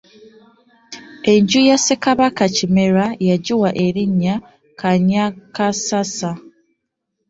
Enju ya Ssekabaka Kimera yagiwa elinnya Kannyakassasa.